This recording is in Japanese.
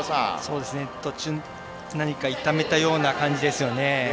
途中、何か痛めたような感じですね。